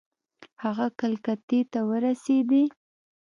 هغه کلکتې ته ورسېدی.